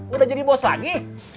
udah jadi bos lagi